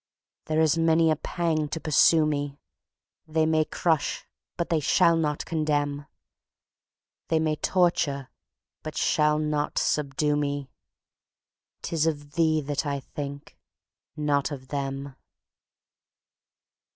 There is many a pang to pursue me:They may crush, but they shall not contemn; They may torture, but shall not subdue me;'Tis of thee that I think—not of them.